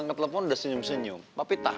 ngapain gue pakai ngambil dompet dibawah